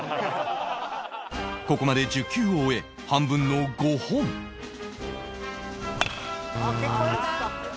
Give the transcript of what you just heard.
ここまで１０球を終え半分の５本越えるか？